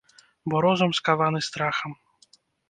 Бо розум скаваны страхам.